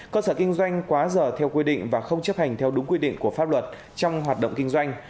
cơ sở kinh doanh quá giờ theo quy định và không chấp hành theo đúng quy định của pháp luật trong hoạt động kinh doanh